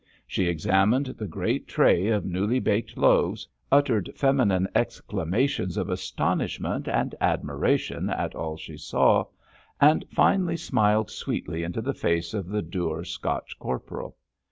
She examined the great tray of newly baked loaves, uttered feminine exclamations of astonishment and admiration at all she saw, and finally smiled sweetly into the face of the dour Scotch corporal.